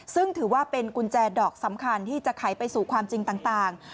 ซึ่งถือว่าเป็นกุญแจดอกสำคัญที่จะไขไปสู่ความจริงต่าง